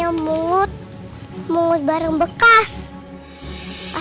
hai kok gerak bonekanya